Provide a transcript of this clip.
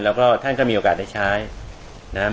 แล้วก็ท่านก็มีโอกาสได้ใช้นะครับ